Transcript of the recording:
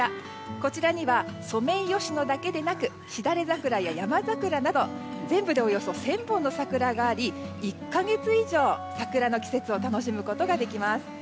こちらにはソメイヨシノだけでなくシダレザクラやヤマザクラなど全部でおよそ１０００本の桜があり１か月以上、桜の季節を楽しむことができます。